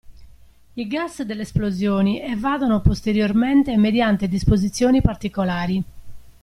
I gas delle esplosioni evadono posteriormente mediante disposizioni particolari.